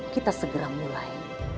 kita segera mulai